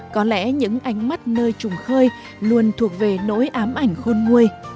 có lẽ những ánh mắt nơi trùng khơi luôn thuộc về nỗi ám ảnh khôn nguôi